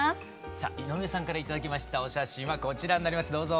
さあ井上さんから頂きましたお写真はこちらになりますどうぞ。